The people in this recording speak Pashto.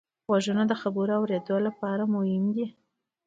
غوږونه د خبرو اورېدلو لپاره مهم دي